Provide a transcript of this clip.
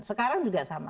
sekarang juga sama